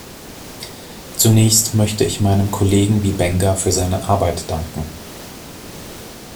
Zunächst möchte ich meinem Kollegen Wiebenga für seine Arbeit danken.